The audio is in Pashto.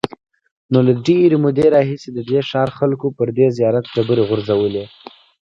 نو له ډېرې مودې راهیسې د دې ښار خلکو پر دې زیارت ډبرې غورځولې.